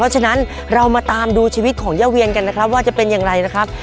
เพราะฉะนั้นเรามาตามดูชีวิตของย่าเวียนกันนะครับว่าจะเป็นอย่างไรนะครับ